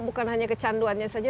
bukan hanya kecanduannya saja